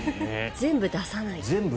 全部出さない。